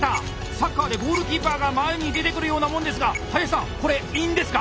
サッカーでゴールキーパーが前に出てくるようなもんですが林さんこれいいんですか？